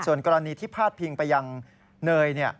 ส่วนกรณีที่พาดพิงไปยังเนย